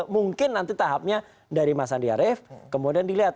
mungkin nanti tahapnya dari mas andi arief kemudian dilihat